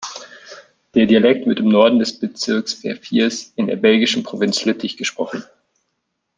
Der Dialekt wird im Norden des Bezirks Verviers in der belgischen Provinz Lüttich gesprochen.